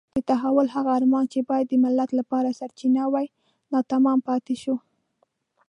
د تحول هغه ارمان چې باید د ملت لپاره سرچینه وای ناتمام پاتې شو.